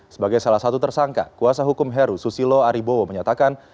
sebagai salah satu tersangka kuasa hukum heru susilo aribowo menyatakan